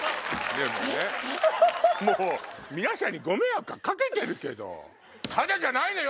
皆さんにご迷惑はかけてるけどタダじゃないのよ！